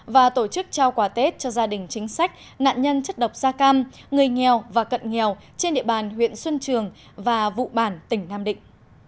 và tổ chức trao quà tết cho gia đình chính sách nạn nhân chất độc da cam người nghèo và cận nghèo trên địa bàn huyện xuân trường và vụ bản tỉnh nam định